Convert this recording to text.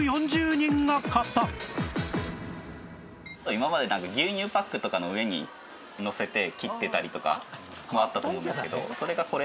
今まで牛乳パックとかの上にのせて切ってたりとかもあったと思うんですけど。